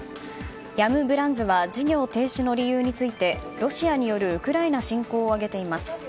ヤム・ブランズは事業停止の理由についてロシアによるウクライナ侵攻を挙げています。